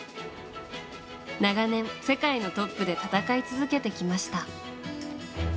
長年、世界のトップで戦い続けてきました。